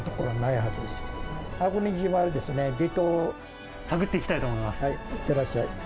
はい、いってらっしゃい。